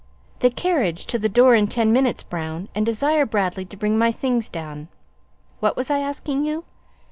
(The carriage to the door in ten minutes, Brown, and desire Bradley to bring my things down.) What was I asking you?